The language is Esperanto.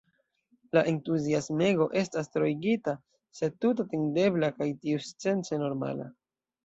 La entuziasmego estas troigita, sed tute atendebla kaj tiusence normala.